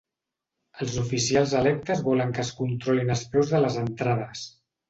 Els oficials electes volen que es controlin els preus de les entrades.